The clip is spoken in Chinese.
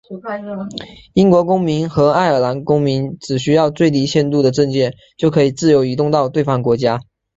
英国公民和爱尔兰公民只需要最低限度的证件就可以自由移动到对方国家。